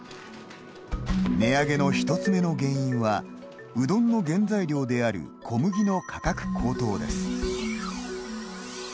値上げの１つ目の原因はうどんの原材料である小麦の価格高騰です。